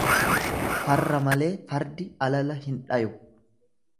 Farra malee fardi alala hin dhayu.